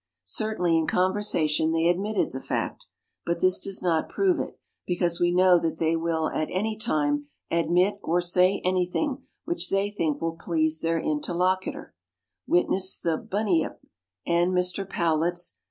Certainly, in conversation, they admitted the fact ; but this does not prove it, because we know that they Avill at any time admit or say anything which they think will please their interlocutor witness the bunyip and (Mr. Powlett's